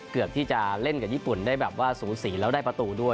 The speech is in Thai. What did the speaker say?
เกือบที่จะเล่นกับญี่ปุ่นได้แบบว่าสูสีแล้วได้ประตูด้วย